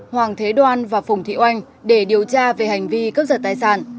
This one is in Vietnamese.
hoàng thế đoan và phùng thị oanh để điều tra về hành vi cướp giật tài sản